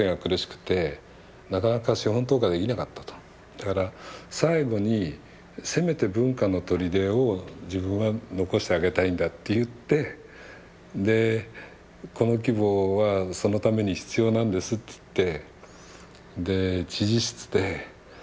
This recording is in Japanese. だから最後にせめて文化のとりでを自分は残してあげたいんだって言ってでこの規模はそのために必要なんですっつってで知事室で頭下げられたんですよ